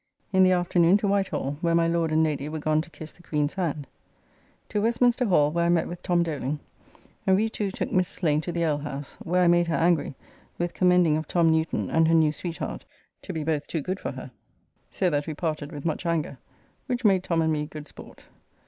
In the afternoon to White Hall, where my Lord and Lady were gone to kiss the Queene's hand. To Westminster Hall, where I met with Tom Doling, and we two took Mrs. Lane to the alehouse, where I made her angry with commending of Tom Newton and her new sweetheart to be both too good for her, so that we parted with much anger, which made Tom and me good sport.